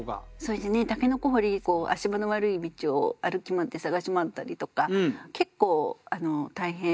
たけのこ掘足場の悪い道を歩き回って探し回ったりとか結構大変で。